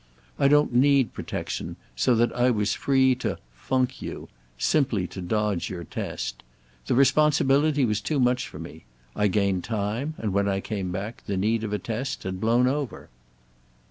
I don't need protection, so that I was free to 'funk' you—simply to dodge your test. The responsibility was too much for me. I gained time, and when I came back the need of a test had blown over."